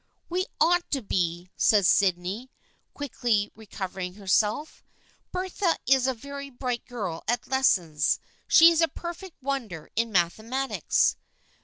" "We ought to be," said Sydney, quickly re THE FRIENDSHIP OF ANNE 165 covering herself. " Bertha is a very bright girl at lessons. She is a perfect wonder in mathe matics."